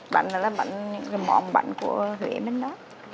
bánh là những món bánh của huế bên đó